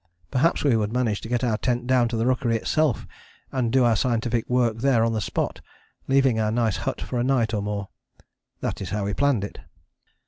Perhaps we would manage to get our tent down to the rookery itself and do our scientific work there on the spot, leaving our nice hut for a night or more. That is how we planned it.